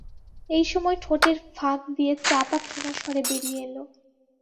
এই সময় ঠোঁটের ফাঁক দিয়ে চাপা ক্ষীণস্বরে বেরিয়ে এল।